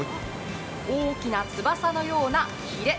大きな翼のようなひれ。